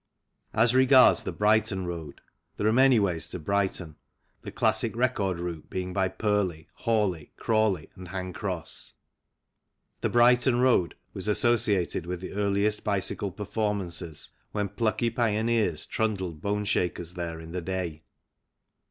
As regards the Brighton Road there are many ways to Brighton, the classical record route being by Purley, Horley, Crawley, and Handcross. The Brighton Road was associated with the earliest bicycle performances, when plucky pioneers trundled bone shakers there in the day.